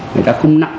người ta không nặng